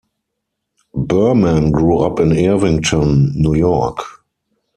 Berman grew up in Irvington, New York.